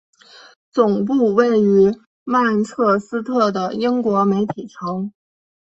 总部位于曼彻斯特的英国媒体城。